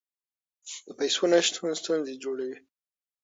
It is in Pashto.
د پیسو نشتون ستونزې جوړوي.